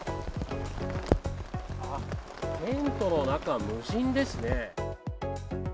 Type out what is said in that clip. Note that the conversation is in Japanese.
テントの中、無人ですね。